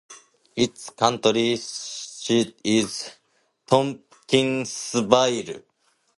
Its county seat is Tompkinsville.